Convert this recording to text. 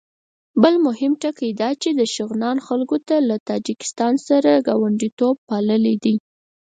بل مهم ټکی دا چې د شغنان خلکو له تاجکستان سره ګاونډیتوب پاللی دی.